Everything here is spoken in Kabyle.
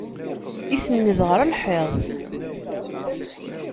Isenned ɣer lḥiḍ.